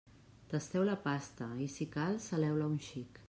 Tasteu la pasta i, si cal, saleu-la un xic.